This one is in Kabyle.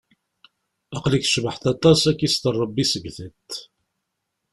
Aql-ik tcebḥeḍ aṭas, ad k-ister rebbi seg tiṭ.